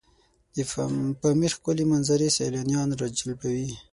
د پامیر ښکلي منظرې سیلانیان راجلبوي.